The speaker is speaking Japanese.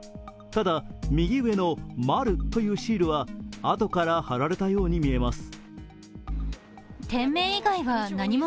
ただ、右上の「マル」というシールはあとから貼られたように見えます。